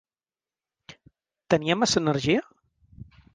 Tenia massa energia?